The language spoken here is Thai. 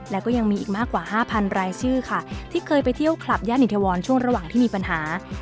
และก็ยังมีอีกมากกว่าห้าพันรายชื่อค่ะที่เคยไปเที่ยวคลับย่านอิทวรช่วงระหว่างที่มีปัญหา